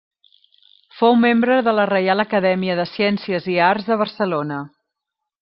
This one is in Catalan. Fou membre de la Reial Acadèmia de Ciències i Arts de Barcelona.